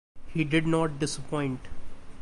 He did not disappoint.